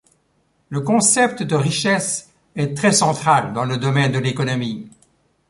Le concept de richesse est très central dans le domaine de l’économie.